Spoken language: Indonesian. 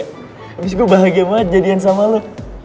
habis gue bahagia banget jadian sama lo